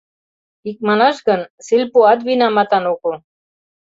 Икманаш гын, сельпоат винаматан огыл.